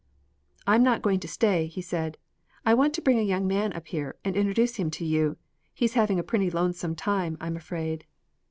"I'm not going to stay," he said. "I want to bring a young man up here, and introduce him to you. He's having a pretty lonesome time, I'm afraid."